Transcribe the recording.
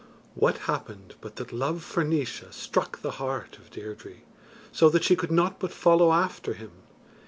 What happened but that love for Naois struck the heart of Deirdre, so that she could not but follow after him.